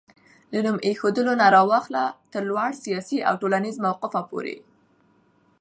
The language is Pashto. له نوم ايښودلو نه راواخله تر لوړ سياسي او ټولنيز موقفه پورې